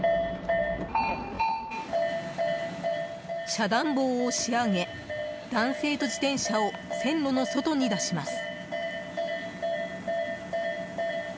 遮断棒を押し上げ、男性と自転車を線路の外に出します。